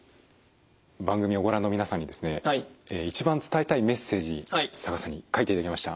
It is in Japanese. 番組をご覧の皆さんにですね一番伝えたいメッセージ佐賀さんに書いていただきました。